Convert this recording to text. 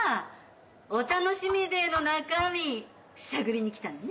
お楽しみデーの中身探りに来たのね。